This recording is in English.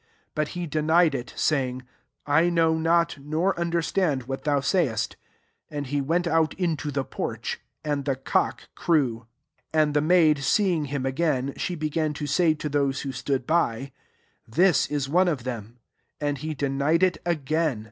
68jBut he denied ity sayiug, ^ I kxmm not, nor understand what dKm sayest." And he went out lofeD the porch ; and the cock 49 And the maid seeing him aaln, she began to say to those irtb stood by, «« This is one of khflm." 70 And he denied it igiln.